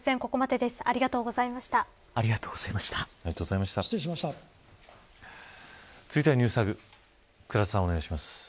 ここまでです。